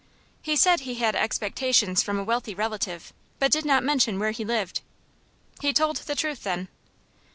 "He said he had expectations from a wealthy relative, but did not mention where he lived." "He told the truth, then."